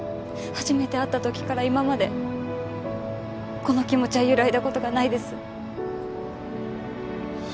初めて会った時から今までこの気持ちは揺らいだ事がないです。